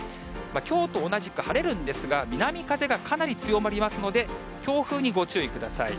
きょうと同じく晴れるんですが、南風がかなり強まりますので、強風にご注意ください。